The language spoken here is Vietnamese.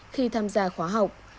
khi tham gia khóa học